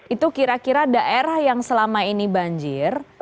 itu kira kira daerah yang selama ini banjir